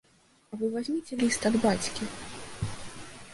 А вы вазьміце ліст ад бацькі!